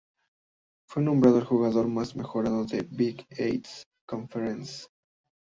Fue nombrado el jugador más mejorado de la Big East Conference.